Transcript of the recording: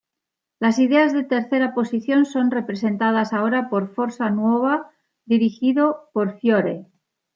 Las ideas de tercera posición son representadas ahora por Forza Nuova, dirigido por Fiore.